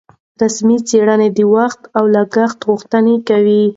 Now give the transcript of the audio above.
رسمي څېړنې د وخت او لګښت غوښتنه کوي.